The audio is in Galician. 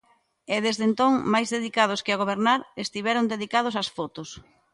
E desde entón, máis dedicados que a gobernar, estiveron dedicados ás fotos.